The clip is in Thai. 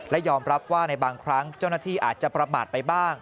และยอมรับว่าในบางครั้งเจ้าหน้าที่อาจจะประมาทไปบ้าง